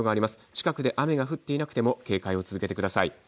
近くで雨が降っていなくても警戒を続けてください。